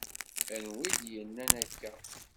Anwa i d-yenna akka?